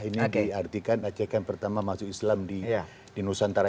ini diartikan aceh kan pertama masuk islam di nusantara